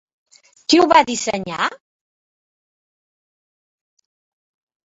Qui ho va dissenyar?